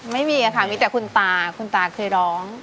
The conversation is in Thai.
ไม่มีค่ะมีแต่คุณตาคุณตาเคยร้อง